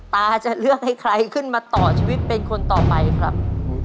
ตาจะเลือกให้ใครขึ้นมาต่อชีวิตเป็นคนต่อไปครับ